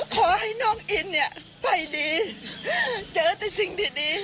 ขอให้น้องอินเนี่ยไปดีเจอแต่สิ่งดี